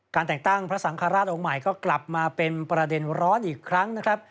แต่งตั้งพระสังฆราชองค์ใหม่ก็กลับมาเป็นประเด็นร้อนอีกครั้งนะครับ